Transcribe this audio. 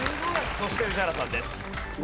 そして宇治原さんです。